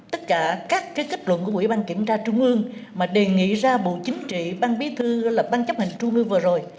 tất cả các kết luận của quỹ ban kiểm tra trung ương mà đề nghị ra bộ chính trị ban bí thư là ban chấp hành trung ương vừa rồi